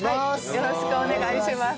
よろしくお願いします。